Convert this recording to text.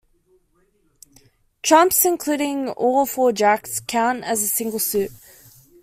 Trumps, including all four jacks, count as a single suit.